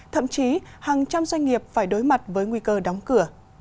thậm chí hàng trăm doanh nghiệp phải đối mặt với nguy cơ đóng cửa